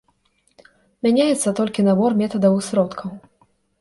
Мяняецца толькі набор метадаў і сродкаў.